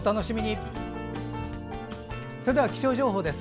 それでは、気象情報です。